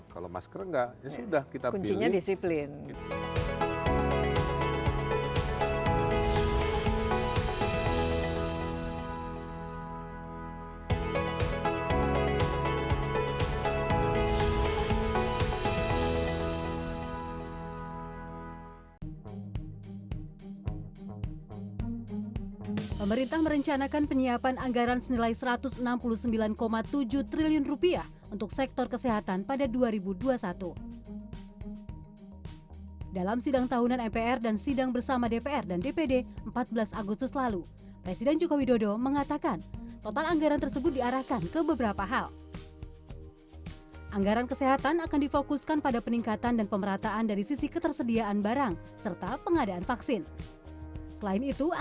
kalau masker enggak ya sudah kita pilih